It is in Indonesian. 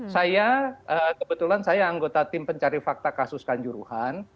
saya kebetulan saya anggota tim pencari fakta kasus kanjuruhan